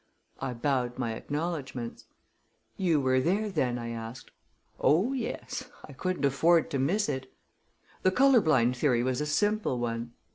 I bowed my acknowledgments. "You were there, then?" I asked. "Oh, yes; I couldn't afford to miss it." "The color blind theory was a simple one."